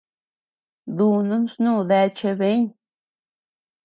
Dunun snu deachea bëeñ.